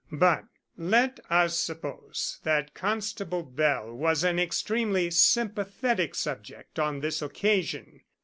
But let us suppose that Constable Bell was an extremely sympathetic subject on this occasion.